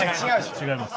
違います。